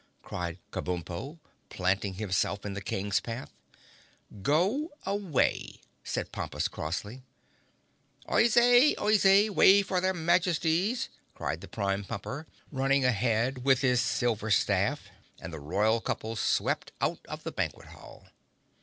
cried Kabumpo, planting himself in the King's path. "Go away," said Pompus crossly. "Oyez! Oyez! Way for their Majesties!" cried the Prime Pumper, running ahead with his silver staff, and the royal couple swept out of the banquet hall.